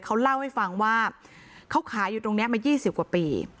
เขาเล่าให้ฟังว่าเขาขายอยู่ตรงนี้มา๒๐กว่าปี